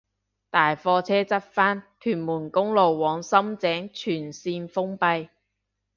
大貨車翻側屯門公路往深井全綫封閉